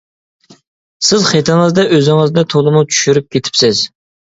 سىز خېتىڭىزدە ئۆزىڭىزنى تولىمۇ چۈشۈرۈپ كېتىپسىز.